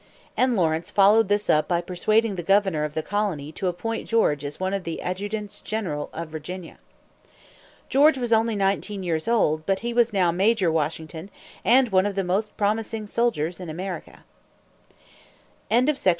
And Lawrence followed this up by persuading the governor of the colony to appoint George as one of the adjutants general of Virginia. George was only nineteen years old, but he was now Major Washington, and one of the most promising soldiers in America. VII.